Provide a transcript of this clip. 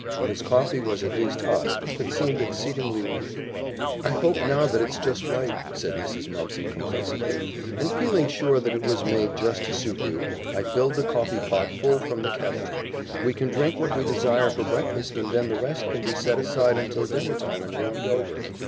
His coffee was at least hot, but seemed exceedingly weak. "I hope now that it's just right," said Mrs. Mumpson complacently, "and feeling sure that it was made just to suit you, I filled the coffeepot full from the kettle. We can drink what we desire for breakfast and then the rest can be set aside until dinner time and warmed over.